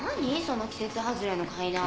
その季節外れの怪談。